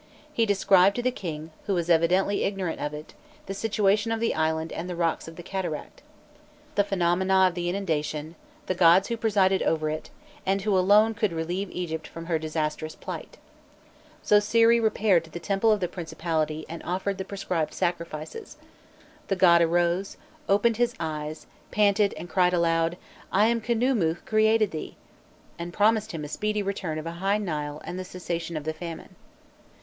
He described to the king, who was evidently ignorant of it, the situation of the island and the rocks of the cataract, the phenomena of the inundation, the gods who presided over it, and who alone could relieve Egypt from her disastrous plight. Zosiri repaired to the temple of the principality and offered the prescribed sacrifices; the god arose, opened his eyes, panted and cried aloud, "I am Khnûmû who created thee!" and promised him a speedy return of a high Nile and the cessation of the famine.